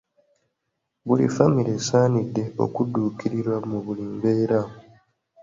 Buli famire esaanidde okudduukirirwa mu buli mbeera.